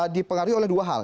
dipengaruhi oleh dua hal